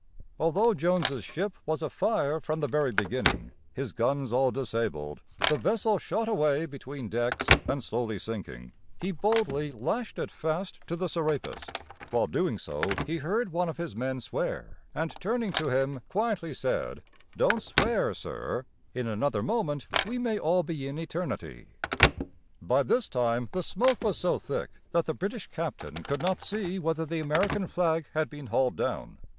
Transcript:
Although Jones's ship was afire from the very beginning, his guns all disabled, the vessel shot away between decks and slowly sinking, he boldly lashed it fast to the Serapis. While doing so he heard one of his men swear, and turning to him, quietly said: "Don't swear, sir; in another moment we may all be in eternity." [Illustration: The Bonhomme Richard and the Serapis.] By this time the smoke was so thick that the British captain could not see whether the American flag had been hauled down.